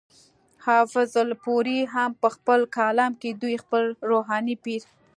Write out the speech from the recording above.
حافظ الپورۍ هم پۀ خپل کالم کې دوي خپل روحاني پير